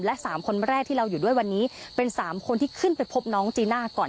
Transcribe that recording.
และ๓คนแรกที่เราอยู่ด้วยวันนี้เป็น๓คนที่ขึ้นไปพบน้องจีน่าก่อน